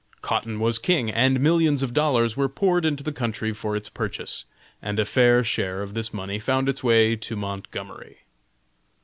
"Cotton was king," and millions of dollars were poured into the country for its purchase, and a fair share of this money found its way to Montgomery.